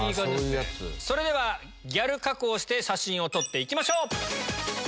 それではギャル加工して写真を撮っていきましょう！